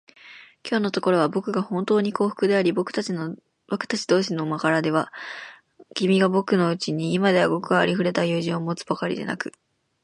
きょうのところは、ぼくがほんとうに幸福であり、ぼくたち同士の間柄では、君がぼくのうちに今ではごくありふれた友人を持つばかりでなく、